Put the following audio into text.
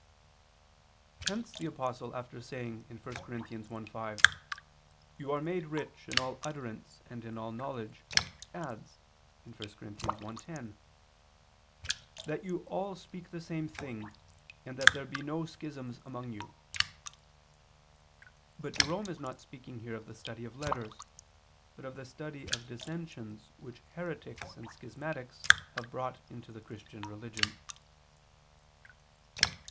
Hence the Apostle after saying (1 Cor. 1:5): "You are made rich ... in all utterance and in all knowledge," adds (1 Cor. 1:10): "That you all speak the same thing, and that there be no schisms among you." But Jerome is not speaking here of the study of letters, but of the study of dissensions which heretics and schismatics have brought into the Christian religion.